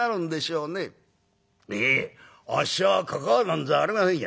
『いいえあっしはかかあなんざありませんよ』